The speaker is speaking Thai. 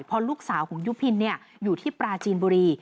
เพราะลูกสาวของยุพินอยู่ที่ปราจีนบุรี